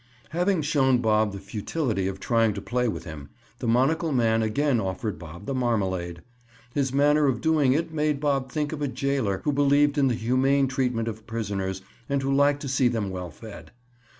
Having shown Bob the futility of trying to play with him, the monocle man again offered Bob the marmalade. His manner of doing it made Bob think of a jailer who believed in the humane treatment of prisoners and who liked to see them well fed.